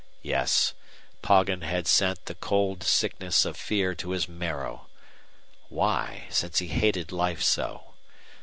Yes, Poggin had sent the cold sickness of fear to his marrow. Why, since he hated life so?